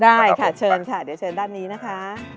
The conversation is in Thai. ได้ค่ะเชิญค่ะเดี๋ยวเชิญด้านนี้นะคะ